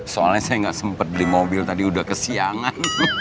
soalnya saya gak sempet beli mobil tadi udah kesiangan